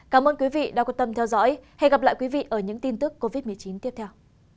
cảm ơn quý vị đã quan tâm theo dõi hẹn gặp lại quý vị ở những tin tức covid một mươi chín tiếp theo